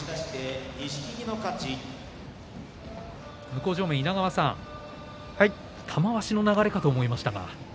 向正面の稲川さん玉鷲の流れかと思いましたが。